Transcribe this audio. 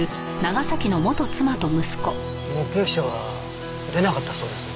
目撃者は出なかったそうですね。